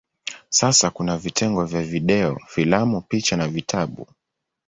Sasa kuna vitengo vya video, filamu, picha na vitabu.